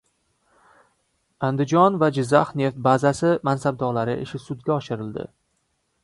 Andijon va Jizzax neft bazasi mansabdorlari ishi sudga oshirildi